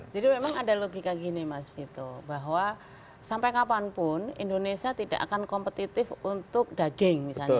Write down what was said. jadi memang ada logika gini mas vito bahwa sampai kapanpun indonesia tidak akan kompetitif untuk daging misalnya